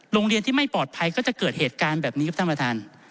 โรงเรียนที่ไม่ปลอดภัยก็จะเกิดเหตุการณ์แบบนี้ครับท่านประธาน